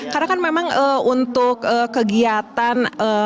karena kan memang untuk kegiatan